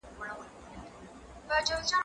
هغه څوک چي پاکوالي ساتي منظم وي